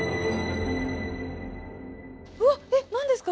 うわっえっ何ですか？